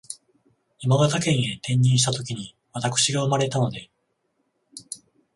山口県へ転任したときに私が生まれたので